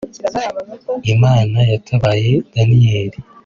Imana yatabaye Daniyeli